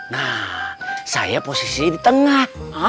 nah saya posisi di tengah